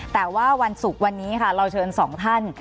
แต่ว่าวันศุกร์วันนี้ค่ะเราเชิญสองท่าน